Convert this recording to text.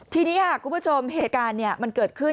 ทีนี้ค่ะคุณผู้ชมเหตุการณ์มันเกิดขึ้น